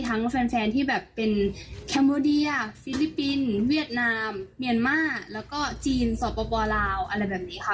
แฟนที่แบบเป็นแคมโมเดียฟิลิปปินส์เวียดนามเมียนมาร์แล้วก็จีนสปลาวอะไรแบบนี้ค่ะ